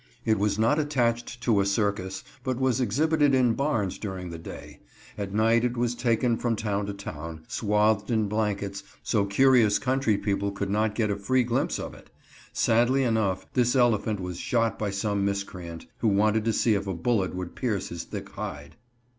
It was not attached to a circus, but was exhibited in barns during the day. At night it was taken from town to town, swathed in blankets, so curious country people could not get a free glimpse of it. Sadly enough, this elephant was shot by some miscreant, who wanted to see if a bullet would pierce his thick hide.